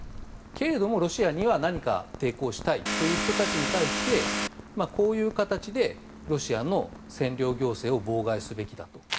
けれどもロシアには何か抵抗したいという人たちに対してこういう形でロシアの占領行政を妨害すべきだと。